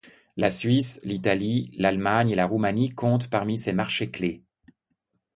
La Suisse, l’Italie, l'Allemagne et la Roumanie comptent parmi ses marchés clefs.